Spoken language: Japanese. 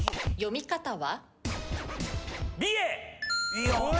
読み方は？